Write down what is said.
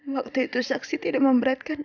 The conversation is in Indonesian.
waktu itu saksi tidak memberatkan